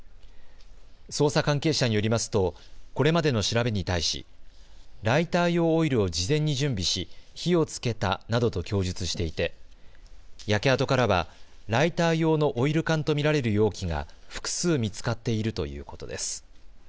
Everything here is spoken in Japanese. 捜査関係者によりますとこれまでの調べに対しライター用オイルを事前に準備し火をつけたなどと供述していて焼け跡からはライター用のオイル缶と見られる容器が複数見つかっているということです。